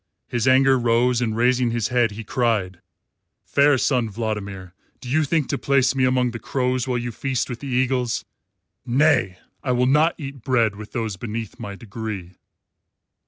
His anger rose, and raising his head he cried: "Fair Sun Vladimir, do you think to place me among the crows while you feast with the eagles? Nay! I will not eat bread with those beneath my degree."